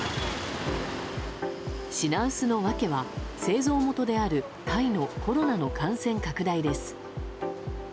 品薄の訳は、製造元であるタイのコロナの感染拡大です。